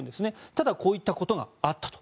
ただこういったことがあったと。